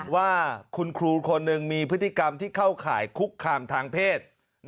ว่าคุณครูคนหนึ่งมีพฤติกรรมที่เข้าข่ายคุกคามทางเพศ